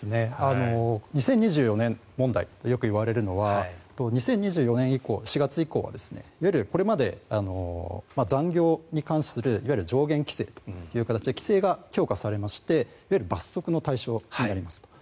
２０２４年問題ってよく言われるのは２０２４年４月以降はこれまで残業に関するいわゆる上限規制という形で規制が強化されましていわゆる罰則の対象になります。